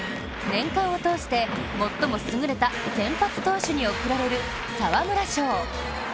年間を通して最も優れた先発投手に贈られる沢村賞。